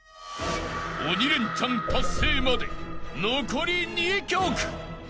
［鬼レンチャン達成まで残り２曲］